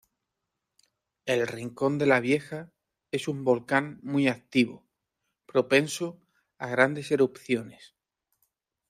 El Rincón de la Vieja es un volcán muy activo, propenso a grandes erupciones.